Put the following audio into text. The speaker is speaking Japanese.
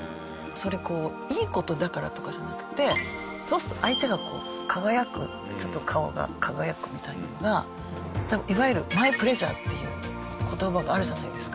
それいい事だからとかじゃなくてそうすると相手が輝くちょっと顔が輝くみたいなのがいわゆる「マイプレジャー」っていう言葉があるじゃないですか。